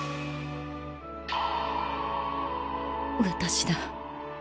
私だ